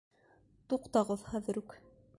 Туҡтағыҙ хәҙер үк!